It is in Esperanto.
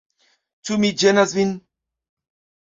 Ĉu mi ĝenas vin?